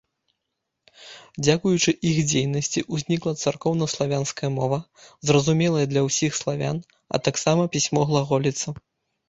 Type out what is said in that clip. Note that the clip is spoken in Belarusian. Дзякуючы іх дзейнасці ўзнікла царкоўнаславянская мова, зразумелая для ўсіх славян, а таксама пісьмо глаголіца.